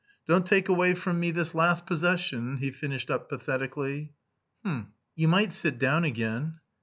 Don't take away from me this last possession!" he finished up pathetically. "H'm! You might sit down again."